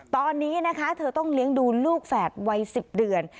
ตอนนี้นะคะเธอต้องเลี้ยงดูลูกแฝดวัย๑๐เดือน